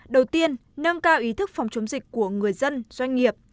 đầu tiên nâng cao ý thức phòng chống dịch của người dân doanh nghiệp